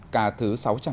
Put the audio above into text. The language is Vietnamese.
ca thứ sáu trăm linh một